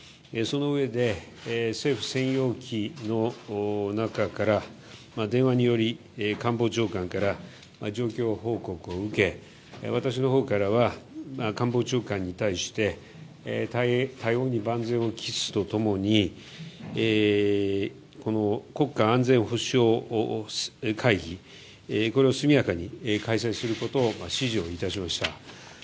そのうえで、政府専用機の中から電話により官房長官から状況報告を受け私のほうからは官房長官に対して対応に万全を期すと共に国家安全保障会議これを速やかに開催することを指示を致しました。